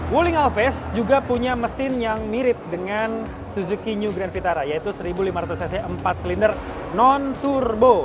wuling alves juga punya mesin yang mirip dengan suzuki new grand vitara yaitu seribu lima ratus cc empat silinder non turbo